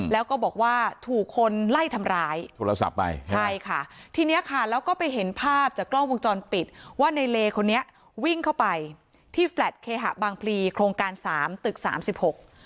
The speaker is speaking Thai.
แล้วก็บอกว่าถูกคนไล่ทำร้ายโทรศัพท์ไปใช่ค่ะทีเนี้ยค่ะแล้วก็ไปเห็นภาพจากกล้องวงจรปิดว่าในเลคนนี้วิ่งเข้าไปที่แฟลตเคหะบางพลีโครงการสามตึกสามสิบหก